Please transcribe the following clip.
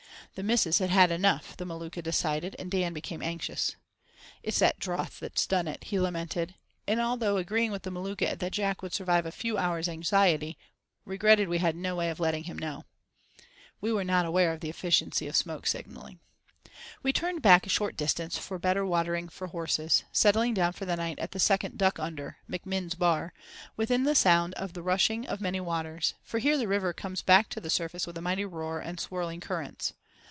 "The missus had had enough," the Maluka decided, and Dan became anxious. "It's that drouth that's done it," he lamented; and although agreeing with the Maluka that Jack would survive a few hours' anxiety, regretted we had "no way of letting him know." (We were not aware of the efficiency of smoke signalling). We turned back a short distance for better watering for horses, settling down for the night at the second "duck under"—McMinn's bar—within sound of the rushing of many waters; for here the river comes back to the surface with a mighty roar and swirling currents.